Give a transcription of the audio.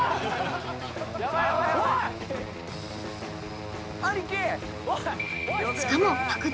ヤバいヤバいおい！